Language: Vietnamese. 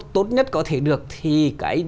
tốt nhất có thể được thì cái